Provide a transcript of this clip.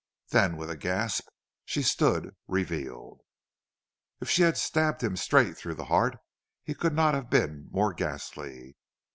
Then with a gasp she stood revealed. If she had stabbed him straight through the heart he could not have been more ghastly.